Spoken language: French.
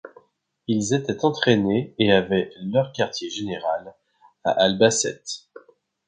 Ils étaient entraînés et avaient leur quartier général à Albacete.